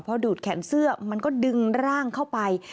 พอดูดแขนเสื้อมันก็ดึงร่างเข้าไป